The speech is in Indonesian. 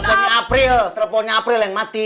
dari april teleponnya april yang mati